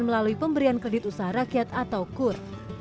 melalui pemberian kredit usaha rakyat atau kur